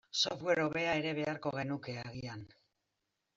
Software hobea ere beharko genuke agian.